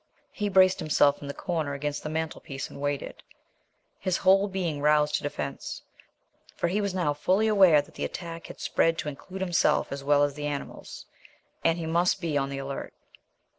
He braced himself in the corner against the mantelpiece and waited, his whole being roused to defence, for he was now fully aware that the attack had spread to include himself as well as the animals, and he must be on the alert.